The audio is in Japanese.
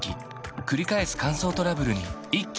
くり返す乾燥トラブルに一気にアプローチ